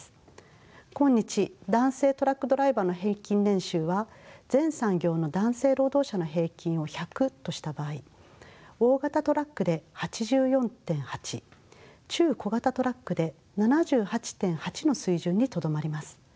今日男性トラックドライバーの平均年収は全産業の男性労働者の平均を１００とした場合大型トラックで８４．８中小型トラックで７８．８の水準にとどまります。